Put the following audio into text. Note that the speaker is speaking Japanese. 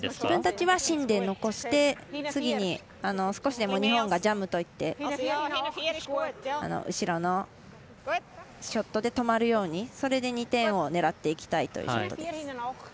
自分たちは芯で残して次に少しでも日本がジャムといって後ろのショットで止まるようにそれで２点を狙っていきたいというショットです。